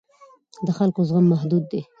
د خلکو زغم محدود دی